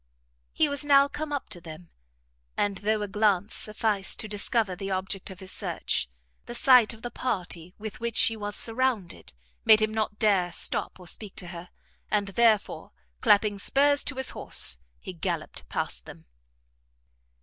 He was now come up to them, and though a glance sufficed to discover the object of his search, the sight of the party with which she was surrounded made him not dare stop or speak to her, and therefore, clapping spurs to his horse, he galloped past them.